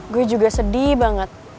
gue juga sedih banget